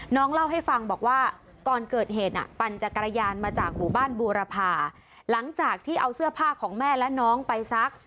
น้องเล่าให้ฟังบอกว่าก่อนเกิดเหตุน่ะปั่นจักรยานมาจากหมู่บ้านบูรพาหลังจากที่เอาเสื้อผ้าของแม่และน้องไปซัก